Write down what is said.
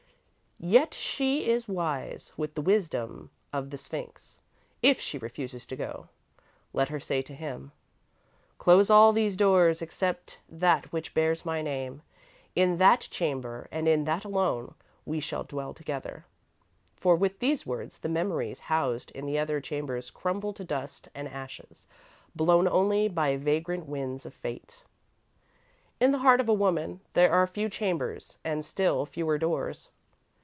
Yet she is wise, with the wisdom of the Sphinx, if she refuses to go. Let her say to him: "Close all these doors, except that which bears my name. In that chamber and in that alone, we shall dwell together." For, with these words, the memories housed in the other chambers crumble to dust and ashes, blown only by vagrant winds of Fate. In the heart of a woman there are few chambers and still fewer doors.